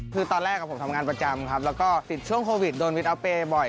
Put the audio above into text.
คือตอนแรกผมทำงานประจำครับแล้วก็ติดช่วงโควิดโดนวิทอัพเปย์บ่อย